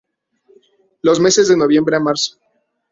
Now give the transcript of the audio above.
Los meses de noviembre a marzo.